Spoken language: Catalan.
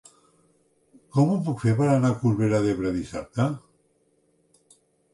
Com ho puc fer per anar a Corbera d'Ebre dissabte?